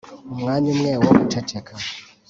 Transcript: umwanya umwe wo guceceka,